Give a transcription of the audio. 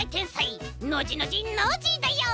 ノジノジノージーだよ！